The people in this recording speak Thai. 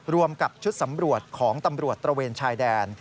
รวมกับชุดสำรวจของตำรวจตระเวนชายแดน